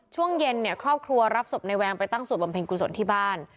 ช่วงเย็นเนี่ยครอบครัวรับศพในแวงไปตั้งสวดบำเพ็ญกุศลที่บ้าน